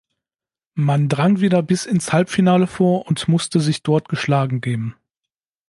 Man drang wieder bis ins Halbfinale vor und musste sich dort geschlagen geben.